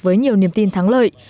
với nhiều niềm tin thắng lợi